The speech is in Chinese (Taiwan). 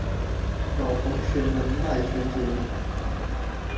老同學們賴群組裡